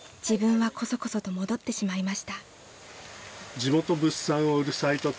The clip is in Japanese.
［自分はこそこそと戻ってしまいました］